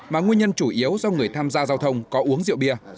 mà nguyên nhân chủ yếu do người tham gia giao thông có uống rượu bia